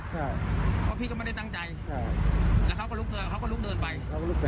ใช่เพราะพี่ก็ไม่ได้ตั้งใจใช่แล้วเขาก็ลุกเดินไป